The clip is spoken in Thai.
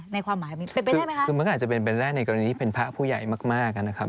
ความหมายเป็นไปได้ไหมคะคือมันก็อาจจะเป็นไปได้ในกรณีที่เป็นพระผู้ใหญ่มากมากนะครับ